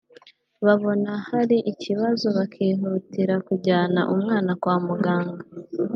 babona hari ikibazo bakihutira kujyana umwana kwa muganga